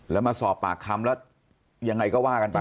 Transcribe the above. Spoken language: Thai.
แล้วมาสอบปากคำแล้วยังไงก็ว่ากันไป